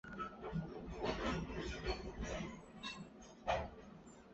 你得到我的身子也得不到我的心的